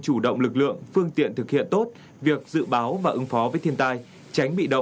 hội nhà báo việt nam